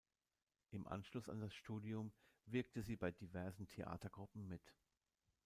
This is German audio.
Im Anschluss an das Studium wirkte sie bei diversen Theatergruppen mit.